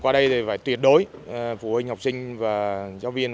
qua đây thì phải tuyệt đối phụ huynh học sinh và giáo viên